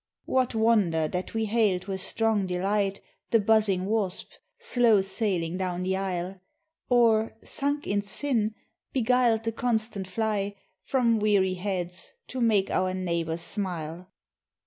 What wonder that we hailed with strong delight The buzzing wasp, slow sailing down the aisle, Or, sunk in sin, beguiled the constant fly From weary heads, to make our neighbors smile.